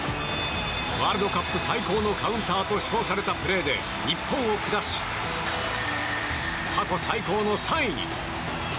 ワールドカップ最高のカウンターと称されたプレーで日本を下し、過去最高の３位に。